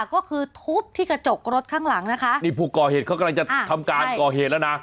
ก็คือทุบที่กระจกรถข้างหลังนะคะนี่ผู้ก่อเหตุเขากำลังจะทำการก่อเหตุแล้วนะ